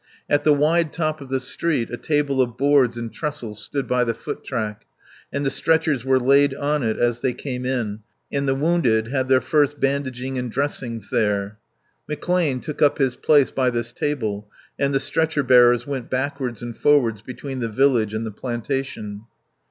At the wide top of the street a table of boards and trestles stood by the foot track, and the stretchers were laid on it as they came in, and the wounded had their first bandaging and dressings there. McClane took up his place by this table, and the stretcher bearers went backwards and forwards between the village and the plantation.